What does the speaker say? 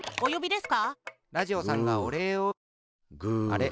あれ？